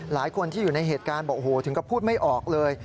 หลายคนที่อยู่ในเหตุการณ์บอกโอ้โหถึงก็พูดไม่ออกเลย